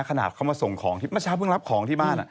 ขนาดเขามาส่งของที่เมื่อเช้าเพิ่งรับของที่บ้าน